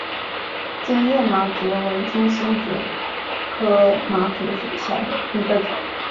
坚叶毛蕨为金星蕨科毛蕨属下的一个种。